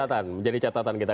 catatan jadi catatan kita